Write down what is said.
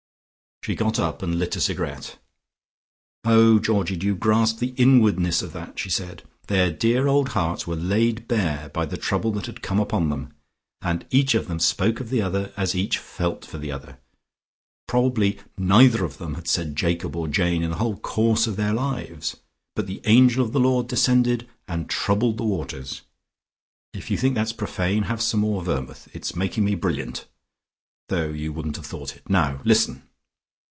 She got up and lit a cigarette. "Oh, Georgie, do you grasp the inwardness of that?" she said. "Their dear old hearts were laid bare by the trouble that had come upon them, and each of them spoke of the other, as each felt for the other. Probably neither of them had said Jacob or Jane in the whole course of their lives. But the Angel of the Lord descended and troubled the waters. If you think that's profane, have some more vermouth. It's making me brilliant, though you wouldn't have thought it. Now listen!"